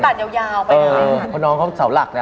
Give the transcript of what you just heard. มีขาดยาวเพราะน้องเขาเสาหลักนะ